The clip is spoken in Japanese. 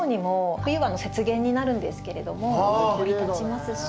冬は雪原になるんですけれども降り立ちますし